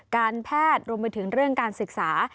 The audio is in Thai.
การแพทย์รวมไปถึงเรื่องการศึกษา